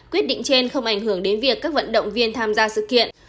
quyết định trên không ảnh hưởng đến việc các vận động viên tham gia sự kiện